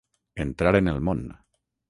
Entrar en el món.